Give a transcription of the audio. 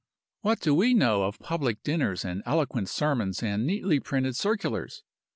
What do we know of public dinners and eloquent sermons and neatly printed circulars?